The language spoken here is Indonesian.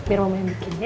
biar mama yang bikin ya